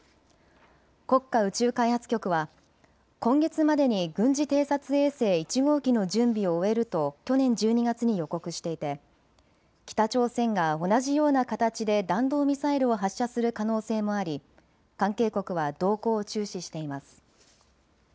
国家宇宙開発局は今月までに軍事偵察衛星１号機の準備を終えると去年１２月に予告していて北朝鮮が同じような形で弾道ミサイルを発射する可能性もあり関係国は動向を注視しています。